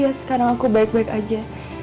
ya sekarang aku baik baik aja